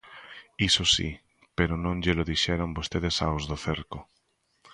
Iso si, pero non llelo dixeron vostedes aos do cerco.